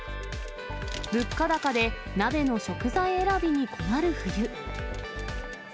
物価高で鍋の食材選びに困る冬。